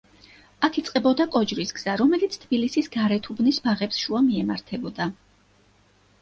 აქ იწყებოდა კოჯრის გზა, რომელიც თბილისის გარეთუბნის ბაღებს შუა მიემართებოდა.